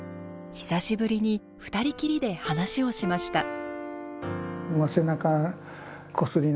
久しぶりに２人きりで話をしました。